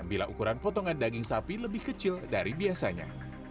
bila ukuran potongan daging sapi lebih kecil dari biasanya